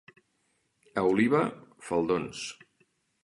A Oliva, faldons.